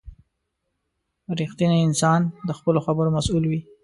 • رښتینی انسان د خپلو خبرو مسؤل وي.